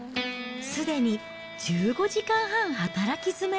すでに１５時間半働き詰め。